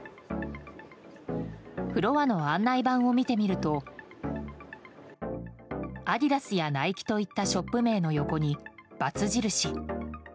フロアの案内板を見てみるとアディダスやナイキといったショップ名の横に、×印。